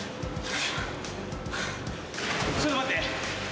ちょっと待って。